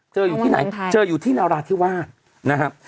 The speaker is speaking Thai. อยู่ที่ไหนเจออยู่ที่นราธิวาสนะครับ